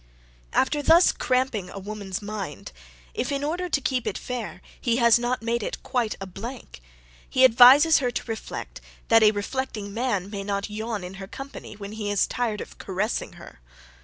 After thus cramping a woman's mind, if, in order to keep it fair, he has not made it quite a blank, he advises her to reflect, that a reflecting man may not yawn in her company, when he is tired of caressing her.